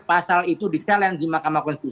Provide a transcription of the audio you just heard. pasal itu di challenge di mahkamah konstitusi